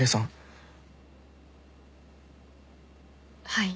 はい。